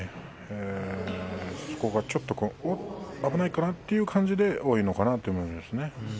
そこがちょっと危ないかなという感じが多いのかなと思いますね。